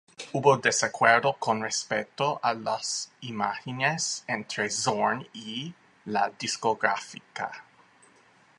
Hubo desacuerdo con respecto a las imágenes entre Zorn y la discográfica.